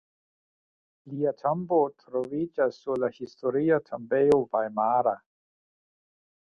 Lia tombo troviĝas sur la Historia tombejo vajmara.